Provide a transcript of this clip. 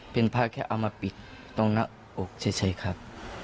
เป็นพระแค่เอามาปิดตรงหน้าอกเฉยครับ